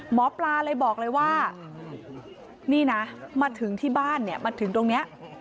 หมอปลาเลยบอกเลยว่านี่นะมาถึงที่บ้านเนี่ยมาถึงตรงนี้